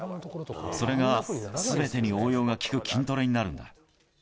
それがすべてに応用が利く筋トレになるんだ。